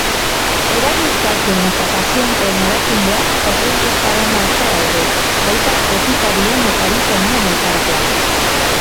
Erabiltzaileen eta pazienteen erakundeak ordainketaren aurka daude, baita botikarien eta erizainen elkargoak.